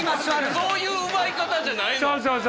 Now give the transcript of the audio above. そういう奪い方じゃないの！